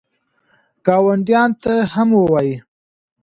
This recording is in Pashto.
ګاونډیانو ته هم ووایئ.